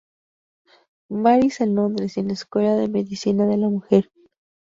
Marys en Londres y en la Escuela de Medicina de la Mujer.